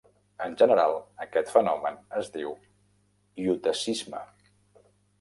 En general, aquest fenomen es diu iotacisme.